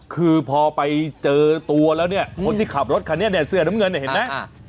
คือพอไปเจอตัวแล้วเนี่ยคนที่ขับรถคันนี้เนี่ยเสื้อน้ำเงินเนี่ยเห็นไหม